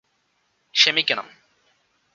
ക്ഷമിക്കണം